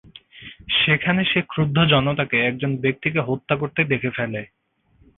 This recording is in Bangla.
সেখানে সে ক্রুদ্ধ জনতাকে একজন ব্যক্তিকে হত্যা করতে দেখে ফেলে।